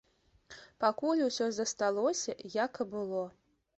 Пакуль усё засталося, як і было.